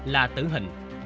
là tử hình